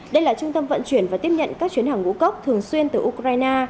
đây là trung tâm vận chuyển và tiếp nhận các chuyến hàng ngũ cốc thường xuyên từ ukraine